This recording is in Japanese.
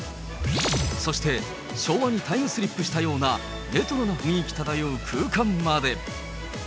そして、昭和にタイムスリップしたようなレトロな雰囲気漂う空間まで。